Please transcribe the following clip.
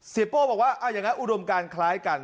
โป้บอกว่าอย่างนั้นอุดมการคล้ายกัน